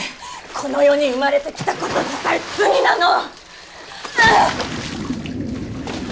この世に生まれてきたこと自体罪なの！！